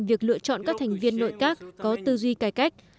việc lựa chọn các thành viên nội các có tư duy cải cách